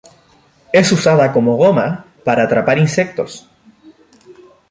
Es usada como goma para atrapar insectos.